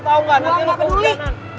tau gak nanti lu ke hujanan